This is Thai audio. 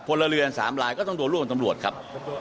พลเรือน๓ลายก็ต้องโดนร่วมกับตำรวจครับ